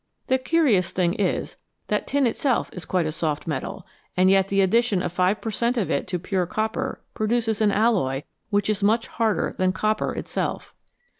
The curious thing is that tin itself is quite a soft metal, and yet the addition of 5 per cent, of it to pure copper produces an alloy which is much harder than copper itself.